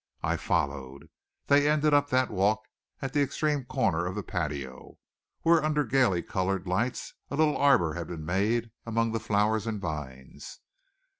I followed. They ended up that walk at the extreme corner of the patio, where, under gaily colored lights, a little arbor had been made among the flowers and vines.